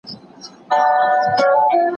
حکومت د نوو سړکونو د جوړولو پلانونه جوړول.